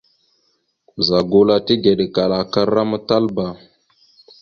Ɓəza gula tigekala aka ram ya Talba.